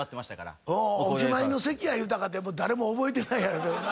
お決まりの席やいうたかて誰も覚えてないやろけどな。